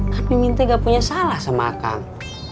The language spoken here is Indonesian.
kan mimin teh gak punya salah sama akang